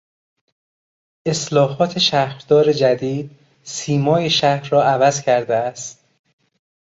اصلاحات شهردار جدید سیمای شهر را عوض کرده است.